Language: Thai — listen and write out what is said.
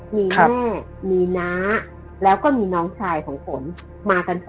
มีแม่มีน้าแล้วก็มีน้องชายของฝนมากัน๓